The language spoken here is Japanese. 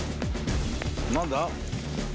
何だ？